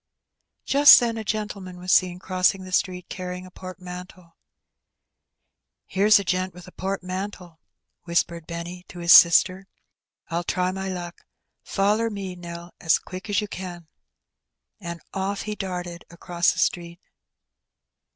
Just then a gentleman was aeen crossing the street carrying a portmanteau. Brother and Sister. '^ Here's a gent with a portmantle," whispered Benny to his sister. '' PU try my luck ! Foller me, Nell, as quick as you can.'' And off he darted across the street.